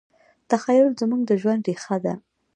تخیل زموږ د ژوند ریښه ده.